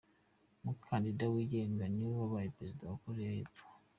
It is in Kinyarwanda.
Umukandida wigenga niwe wabaye Perezida wa Koreya y’Epfo.